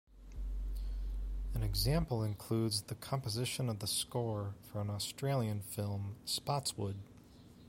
An example includes the composition of the score for an Australian film "Spotswood".